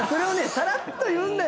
さらっと言うんだよな。